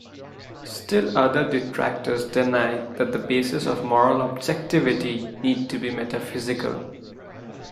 Still other detractors deny that the basis of moral objectivity need be metaphysical.